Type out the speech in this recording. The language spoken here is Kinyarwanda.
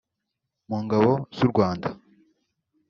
mu Ngabo z’u Rwanda